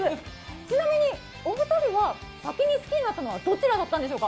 ちなみに、お二人は先に好きになったのはどちらだったんでしょうか？